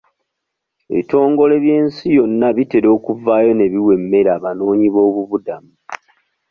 Ebitongole by'ensi yonna bitera okuvaayo ne biwa emmere abanoonyiboobubudamu.